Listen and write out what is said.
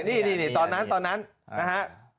นี่ตอนนั้นนะฮะ